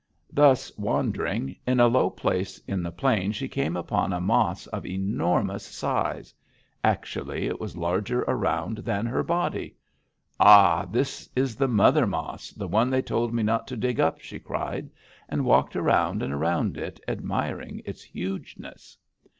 Thus wandering, in a low place in the plain she came upon a mas of enormous size; actually, it was larger around than her body! 'Ha! This is the mother mas; the one they told me not to dig up,' she cried, and walked around and around it, admiring its hugeness.